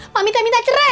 mami teh minta cerai